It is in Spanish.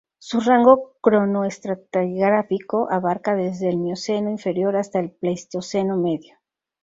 Su rango cronoestratigráfico abarca desde el Mioceno inferior hasta el Pleistoceno medio.